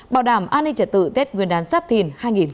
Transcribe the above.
bảo đảm an ninh trả tự tết nguyên đán sắp thìn hai nghìn hai mươi bốn